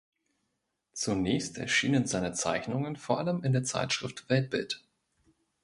Zunächst erschienen seine Zeichnungen vor allem in der Zeitschrift "Weltbild".